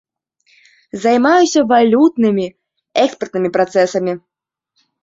Займаюся валютнымі, экспартнымі працэсамі.